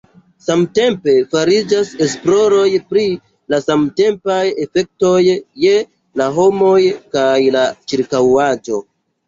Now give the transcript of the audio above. Samtempe fariĝas esploroj pri la samtempaj efektoj je la homoj kaj la ĉirkaŭaĵo.